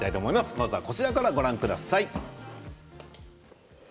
まずは、こちらからご覧ください。